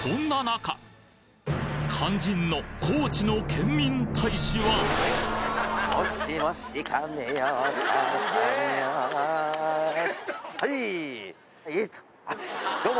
肝心の高知のケンミン大使ははい！